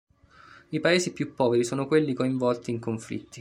I paesi più poveri sono quelli coinvolti in conflitti.